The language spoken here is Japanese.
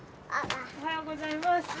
おはようございます。